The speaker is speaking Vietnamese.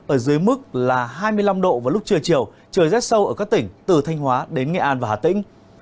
ở dưới mức là hai mươi năm độ vào lúc trưa chiều trời rét sâu ở các tỉnh từ thanh hóa đến nghệ an và hà tĩnh